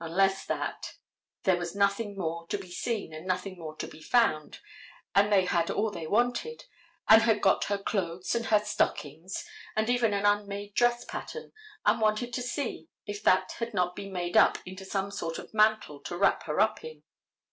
Unless that, there was nothing more to be seen and nothing more to be found, and they had all they wanted, and had got her clothes and her stockings, and even an unmade dress pattern, and wanted to see if that had not been made up into some sort of a mantle to wrap her up in.